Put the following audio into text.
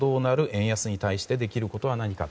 円安に対してできることは何か。